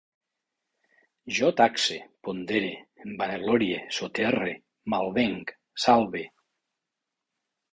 Jo taxe, pondere, em vanaglorie, soterre, malvenc, salve